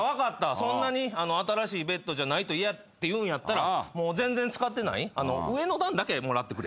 そんなに新しいベッドじゃないと嫌っていうんやったらもう全然使ってない上の段だけもらってくれ。